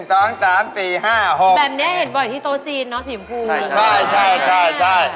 แบบเนี้ยเห็นบ่อยที่โต๊ะจีนเนอะสีชมพูใช่ใช่